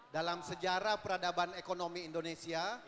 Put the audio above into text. dalam sejarah peradaban ekonomi indonesia